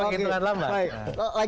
kita mungkin kelar lari